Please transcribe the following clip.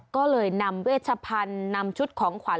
ก็เลยนำเวชพันธุ์นำชุดของขวัญ